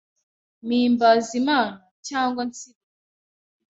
mpimbaza Imana cyangwa nsirimba